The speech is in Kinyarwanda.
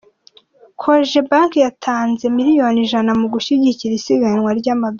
koje banke yatanze miliyoni ijana mu gushyigikira isiganwa ry’amagare